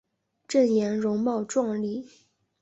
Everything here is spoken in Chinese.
郑俨容貌壮丽。